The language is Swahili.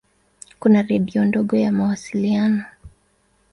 Kuna redio ndogo ya mawasiliano.